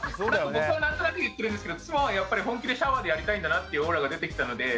僕は何となく言ってるんですけど妻はやっぱり本気でシャワーでやりたいんだなっていうオーラが出てきたので。